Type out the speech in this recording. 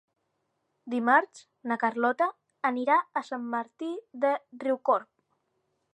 Dimarts na Carlota anirà a Sant Martí de Riucorb.